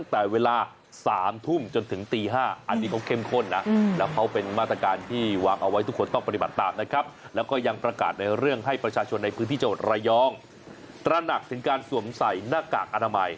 ตราหนักถึงการสวมใส่หน้ากากอนามัย